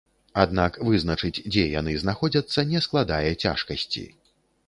Аднак вызначыць, дзе яны знаходзяцца, не складае цяжкасці.